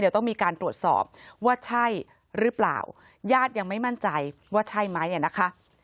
ต้องมีการตรวจสอบว่าใช่หรือเปล่าญาติยังไม่มั่นใจว่าใช่ไหมนะคะ